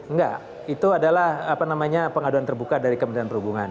nggak itu adalah apa namanya pengaduan terbuka dari kementerian perhubungan